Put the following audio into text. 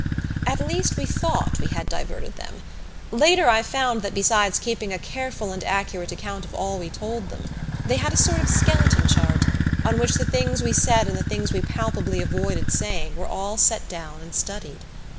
At least we thought we had diverted them. Later I found that besides keeping a careful and accurate account of all we told them, they had a sort of skeleton chart, on which the things we said and the things we palpably avoided saying were all set down and studied.